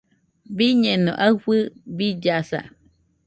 Biñeno aɨfɨ billasa.